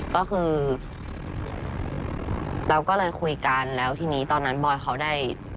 ก็คือเราก็เลยคุยกันแล้วทีนี้ตอนนั้นบอยเขาได้